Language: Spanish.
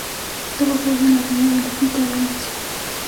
Está basada en la vida de Lupita D'Alessio.